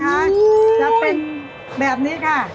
จะเป็นแบบนี้ค่ะ